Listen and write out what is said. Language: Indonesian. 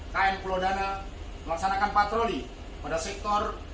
kn pulau dana melaksanakan patroli pada sektor